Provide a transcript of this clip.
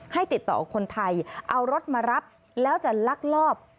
ให้ติดต่อคนไทยเอารถมารับแล้วจะลักลอบ